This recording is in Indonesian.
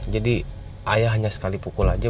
jadi ayah hanya sekali pukul aja